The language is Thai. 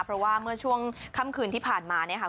เพราะว่าเมื่อช่วงค่ำคืนที่ผ่านมาเนี่ยค่ะ